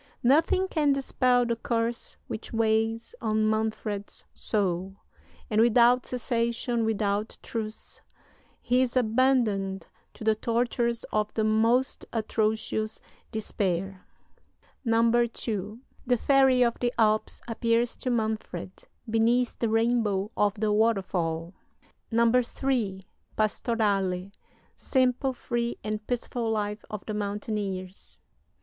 Nothing can dispel the curse which weighs on Manfred's soul; and without cessation, without truce, he is abandoned to the tortures of the most atrocious despair. "II. The Fairy of the Alps appears to Manfred beneath the rainbow of the waterfall. "III. Pastorale. Simple, free, and peaceful life of the mountaineers.